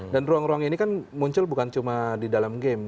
dan ruang ruang ini kan muncul bukan cuma di dalam game